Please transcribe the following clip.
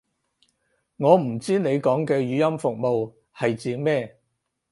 我唔知你講嘅語音服務係指咩